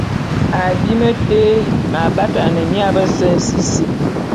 Abim té m’abatane mia bese nsisim.